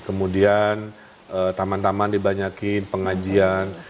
kemudian taman taman dibanyakin pengajian